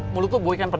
mulut lu boikan peda